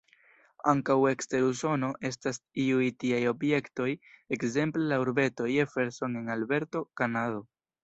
Ankaŭ ekster Usono estas iuj tiaj objektoj, ekzemple la urbeto "Jefferson" en Alberto, Kanado.